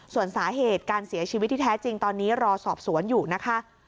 ส่วนสาเหตุการเสียชีวิตที่แท้จริงตอนนี้รอสอบสวนอยู่นะคะ